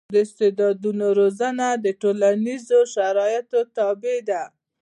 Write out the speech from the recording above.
د استعدادونو روزنه د ټولنیزو شرایطو تابع ده.